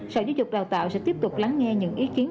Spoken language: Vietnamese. sở giáo dục đào tạo sẽ tiếp tục lắng nghe những ý kiến